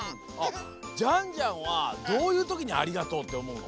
ジャンジャンはどういうときに「ありがとう」っておもうの？